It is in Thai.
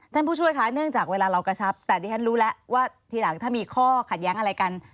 ผู้ช่วยคะเนื่องจากเวลาเรากระชับแต่ดิฉันรู้แล้วว่าทีหลังถ้ามีข้อขัดแย้งอะไรกัน